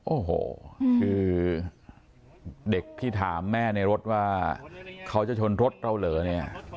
โอ้โหคือเด็กที่ถามแม่ในรถว่าเขาจะชนรถเราเหรอเนี่ย